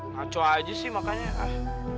ngaco aja sih makanya ah